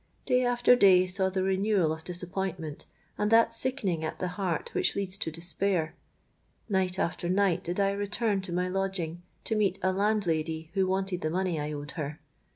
Day after day saw the renewal of disappointment, and that sickening at the heart which leads to despair;—night after night did I return to my lodging, to meet a landlady who wanted the money I owed her.